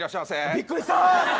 びっくりした！